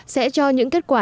sẽ cho những kết quả